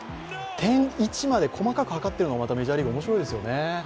「．１」まで細かくはかっているのが、またメジャーリーグ、面白いですよね。